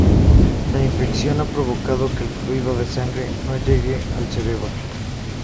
La infección ha provocado que el fluido de sangre no llegue al cerebro.